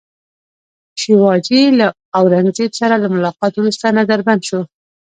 شیوا جي له اورنګزېب سره له ملاقاته وروسته نظربند شو.